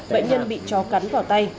bệnh nhân bị chó cắn vào tay